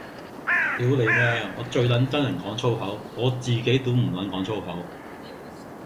屌你咩，我最撚憎人講粗口，我自己都唔撚講粗口